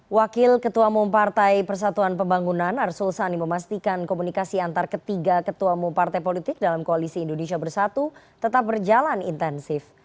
wakil ketua umum partai persatuan pembangunan arsul sani memastikan komunikasi antar ketiga ketua umum partai politik dalam koalisi indonesia bersatu tetap berjalan intensif